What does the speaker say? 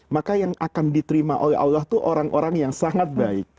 maka yang akan diterima oleh allah itu orang orang yang sangat baik